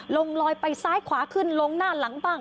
ลงลอยไปซ้ายขวาขึ้นลงหน้าหลังบ้าง